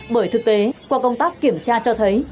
bởi thực tế qua công tác kiểm tra cho thấy